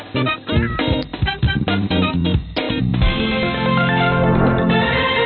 ไปล่ะต่อต่ำ